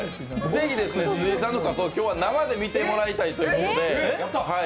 ぜひ辻井さんの仮装を今日は生で見てもらいたいということで。